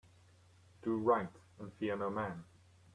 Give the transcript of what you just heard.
Do right and fear no man.